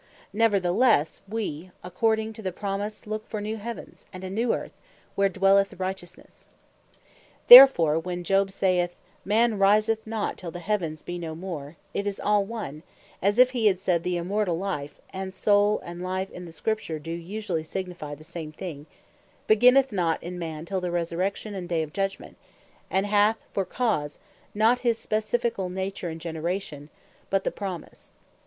Neverthelesse, we according to the promise look for new Heavens, and a new Earth, wherein dwelleth righteousnesse." Therefore where Job saith, man riseth not till the Heavens be no more; it is all one, as if he had said, the Immortall Life (and Soule and Life in the Scripture, do usually signifie the same thing) beginneth not in man, till the Resurrection, and day of Judgment; and hath for cause, not his specificall nature, and generation; but the Promise.